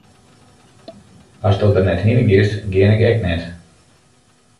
Asto der net hinne giest, gean ik ek net.